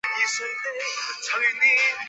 古希腊米利都的史诗诗人之一。